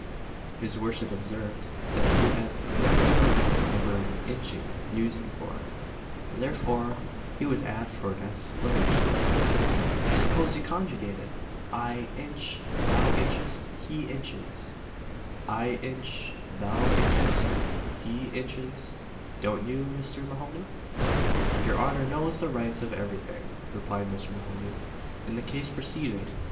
His worship observed, that he had never heard the verb "inching" used before, and therefore he had asked for an explanation. "I suppose you conjugate it 'I inch thou inchest he inches,' don't you, Mr. Mahoney?" "Your honour knows the rights of every thing," replied Mr. Mahoney; and the case proceeded.